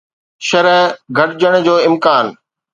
شرح گهٽجڻ جو امڪان